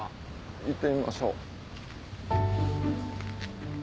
行ってみましょう。